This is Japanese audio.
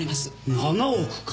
７億か。